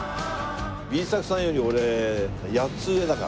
Ｂ作さんより俺８つ上だから。